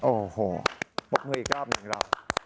โอ้โหปลอดภัยอีกกล้ามหนึ่งรอโอ้